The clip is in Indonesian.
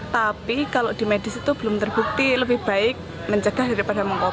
tapi kalau di medis itu belum terbukti lebih baik mencegah daripada mengkopi